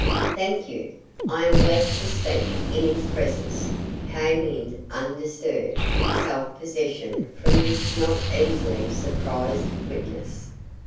"Thank you. I am glad to speak in his presence," came in undisturbed self possession from this not easily surprised witness.